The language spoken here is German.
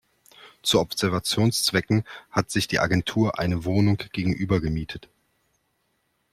Zu Observationszwecken hat sich die Agentur eine Wohnung gegenüber gemietet.